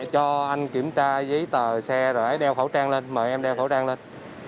cho anh kiểm tra giấy tờ xe rồi đeo khẩu trang lên mời em đeo khẩu trang lên